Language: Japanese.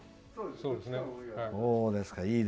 そうです。